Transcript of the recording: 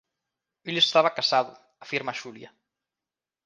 El estaba casado –afirma Xulia.